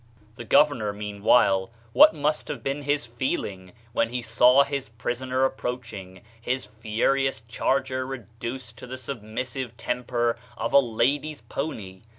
The governor, meanwhile, what must have been his feelings when he saw his prisoner ap proaching, his furious charger reduced to the submissive temper of a lady's pony?